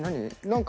何？